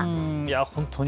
本当に。